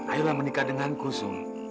ayo lah menikah denganku sung